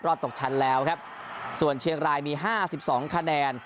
รอดตกชั้นแล้วครับส่วนเชียงรายมี๕๒คะแนน